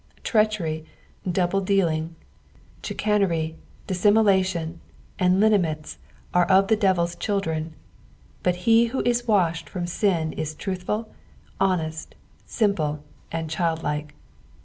Treachery, double dealing, chicanery, dissimulation, are hneaments of the devil's children, but he who is washed from sin is truthful, honest, simple, and childlike.